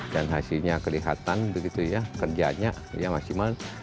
dan hasilnya kelihatan begitu ya kerjanya ya maksimal